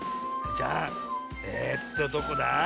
じゃあえっとどこだ？